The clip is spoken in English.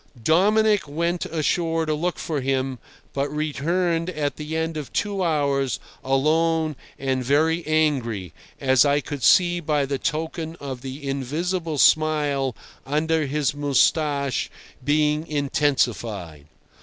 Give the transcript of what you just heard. Dominic went ashore to look for him, but returned at the end of two hours alone and very angry, as I could see by the token of the invisible smile under his moustache being intensified.